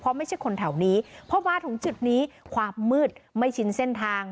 เพราะไม่ใช่คนแถวนี้พอมาถึงจุดนี้ความมืดไม่ชินเส้นทาง